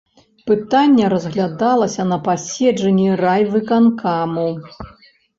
Пытанне разглядалася на паседжанні райвыканкаму.